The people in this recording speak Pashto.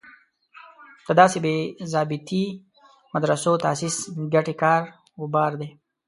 د داسې بې ضابطې مدرسو تاسیس ګټې کار و بار دی.